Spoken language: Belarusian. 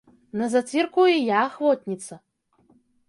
На зацірку і я ахвотніца!